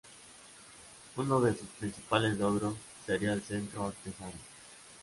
Uno de sus principales logros seria el Centro Artesano.